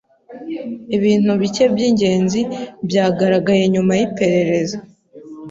Ibintu bike byingenzi byagaragaye nyuma yiperereza.